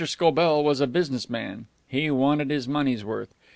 Scobell was a business man. He wanted his money's worth.